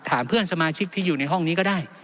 เพื่อนสมาชิกที่อยู่ในห้องนี้ก็ได้